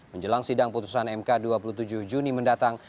menjelang sidang putusan mk dua puluh tujuh juni mendatang